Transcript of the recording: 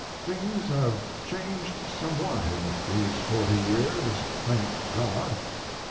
Things have changed somewhat in these forty years, thank God!"